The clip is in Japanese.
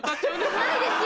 ないですよ